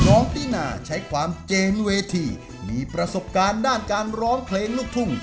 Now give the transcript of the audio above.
น้องตินาใช้ความเจนเวทีมีประสบการณ์ด้านการร้องเพลงลูกทุ่ง